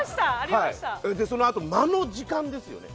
そのあと間の時間ですよね。